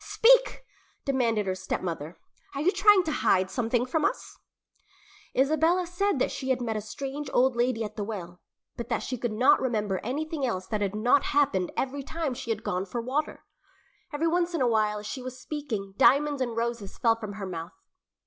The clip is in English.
"Speak!" demanded her stepmother. "Are you trying to hide something from us?" [Illustration: SHE DRANK LONG AND EAGERLY] Isabella said that she had met a strange old lady at the well, but that she could not remember anything else that had not happened every time she had gone for water. Every once in a while as she was speaking diamonds and roses fell from her mouth.